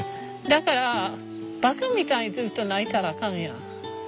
だから馬鹿みたいにずっと泣いたらあかんやん。